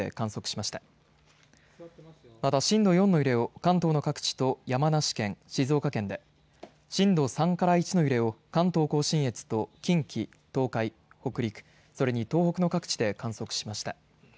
また震度４の揺れを関東の各地と山梨県、静岡県で、震度３から１の揺れを関東甲信越と近畿、東海、北陸、それに東北の各地で観測しました。